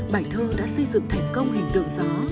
bài thơ đã xây dựng thành công hình tượng gió